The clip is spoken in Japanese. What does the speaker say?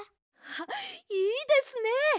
あいいですね！